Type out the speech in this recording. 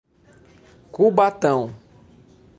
Cubatão